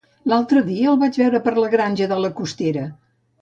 L'altre dia el vaig veure per la Granja de la Costera.